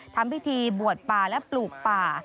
ทำพิธีบวชป่าและปลูกป่า